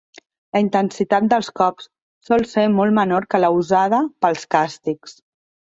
La intensitat dels cops sol ser molt menor que la usada pels càstigs.